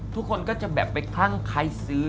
ทุกคนก็จะแบบไปคลั่งใครซื้อ